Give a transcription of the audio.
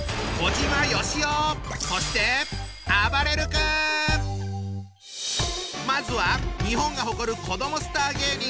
そしてまずは日本が誇る子どもスター芸人！